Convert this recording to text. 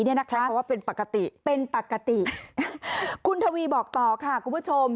เพราะว่าเป็นปกติคุณทวีบอกต่อค่ะคุณผู้ชม